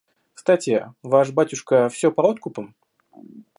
Кстати, ваш батюшка все по откупам?